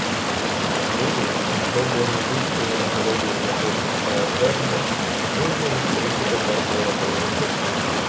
Груди, оздоблені вищою нагородою за подвиг милосердя, мужньо відкриті тепер ворогові.